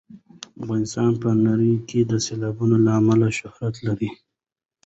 افغانستان په نړۍ کې د سیلابونو له امله شهرت لري.